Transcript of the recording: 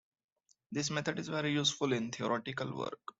This method is very useful in theoretical work.